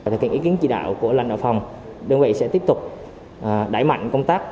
thực hiện ý kiến chỉ đạo của lãnh đạo phòng đơn vị sẽ tiếp tục đẩy mạnh công tác